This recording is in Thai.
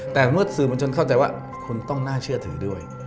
แต่เมื่อสื่อมวลชนเข้าใจว่าคุณต้องน่าเชื่อถือด้วย